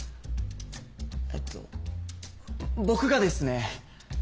えっと僕がですね